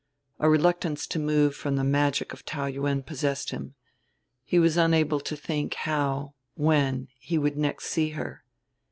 A reluctance to move from the magic of Taou Yuen possessed him: he was unable to think how, when, he would next see her.